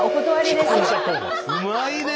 すごいね！